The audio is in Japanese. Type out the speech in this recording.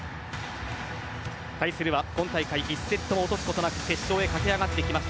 対するは今大会１セットも落とすことなく決勝へ駆け上がってきました。